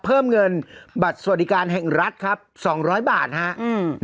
เพิ่มเงินบัตรสวัสดิการแห่งรัฐครับสองร้อยบาทฮะอืม